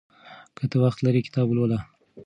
که ته وخت لرې کتاب ولوله.